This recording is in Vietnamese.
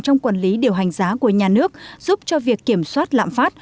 trong quản lý điều hành giá của nhà nước giúp cho việc kiểm soát lạm phát